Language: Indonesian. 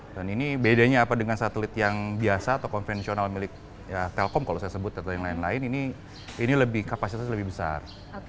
dan ini bedanya apa dengan satelit yang biasa atau konvensional milik telkom kalau saya sebut atau yang lain lain ini kapasitasnya lebih besar